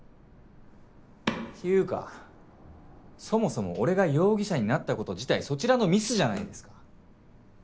ていうかそもそも俺が容疑者になったこと自体そちらのミスじゃないですか！？